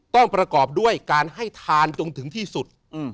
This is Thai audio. ประกอบด้วยการให้ทานจนถึงที่สุด